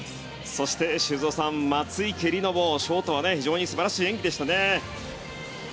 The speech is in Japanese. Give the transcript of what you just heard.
そして、修造さん松生理乃もショートは非常に素晴らしい演技でしたね。